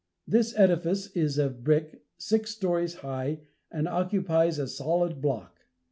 This edifice is of brick, six stories high, and occupies a solid block.